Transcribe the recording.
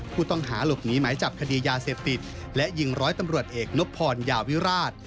ผู้ต้องหาหลบหนีหมายจับคดียาเสพติดและยิงร้อยตำรวจเอกนบพรยาวิราช